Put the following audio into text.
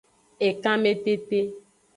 Ekanmetete.